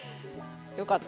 よかった。